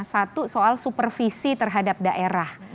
satu soal supervisi terhadap daerah